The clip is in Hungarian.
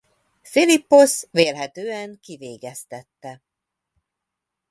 Philipposz vélhetően kivégeztette.